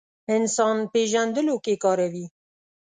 انسان پېژندلو کې کاروي.